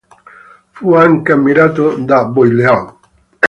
Fu anche ammirato da Boileau.